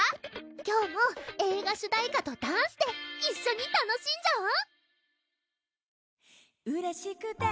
今日も映画主題歌とダンスで一緒に楽しんじゃおう！